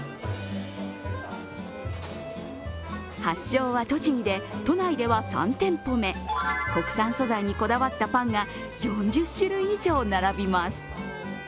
発祥は、栃木で都内では３店舗目国産素材にこだわったパンが４０種類以上並びます。